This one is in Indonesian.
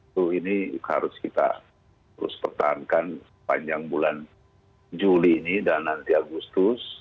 jadi ini harus kita terus pertahankan sepanjang bulan juli ini dan nanti agustus